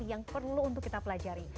yang perlu untuk kita pelajari